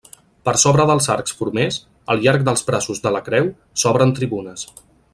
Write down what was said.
Per sobre dels arcs formers, al llarg dels braços de la creu, s'obren tribunes.